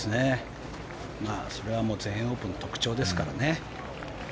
それはもう全英オープンの特徴ですからね。